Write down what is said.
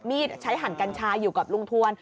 มีดใช้หันกรรชาอยู่กับลูงทวน